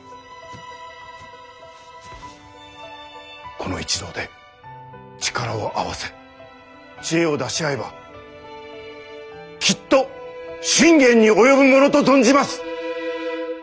この一同で力を合わせ知恵を出し合えばきっと信玄に及ぶものと存じます！